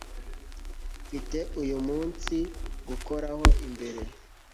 Mfite uyu munsi gukoraho imbeho